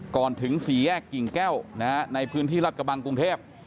ก่อนถึงสี่แยกกิ่งแก้วในพื้นที่รัฐกระบังกรุงเทพ